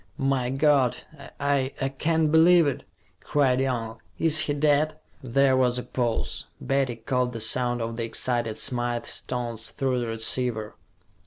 "My God! I I can't believe it!" cried Young. "Is he dead?" There was a pause; Betty caught the sound of the excited Smythe's tones through the receiver.